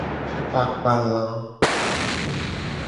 Kpakpa la.